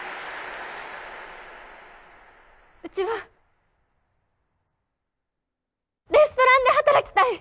うちはレストランで働きたい！